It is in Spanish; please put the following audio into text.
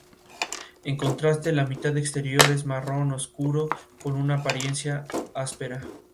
En contraste, la mitad exterior es marrón oscuro con una apariencia áspera.